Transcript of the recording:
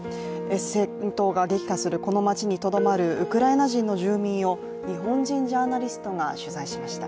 戦闘が激化するこの街にとどまるウクライナ人の住民を日本人ジャーナリストが取材しました。